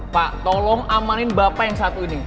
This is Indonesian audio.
pak tolong amanin bapak yang satu ini